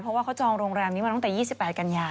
เพราะว่าเขาจองโรงแรมนี้มาตั้งแต่๒๘กันยา